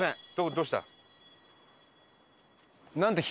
どうした？